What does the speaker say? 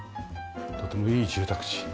とてもいい住宅地。